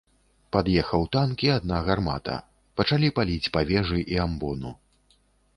Пад'ехаў танк і адна гармата, пачалі паліць па вежы і амбону.